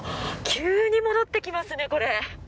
急に戻ってきますね、これ。